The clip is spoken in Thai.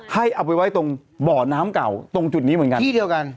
ให้เอาไปไว้ตรงเบาะน้ำเก่าตรงจุดนี้เหมือนกัน